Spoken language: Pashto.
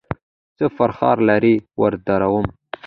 څه فرخار لره وردرومم